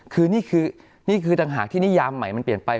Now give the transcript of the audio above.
คือนี่คือนี่คือต่างหากที่นิยามใหม่มันเปลี่ยนไป